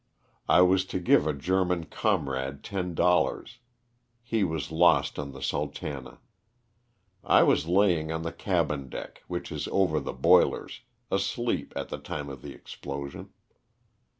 I was to give a German com rade ten dollars. He was lost on the " Sultana." I was laying on the cabin deck, which is over the boilers, asleep at the time of the explosion.